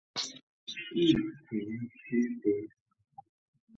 异腈区别。